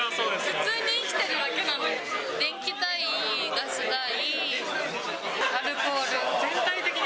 普通に生きてるだけなのに。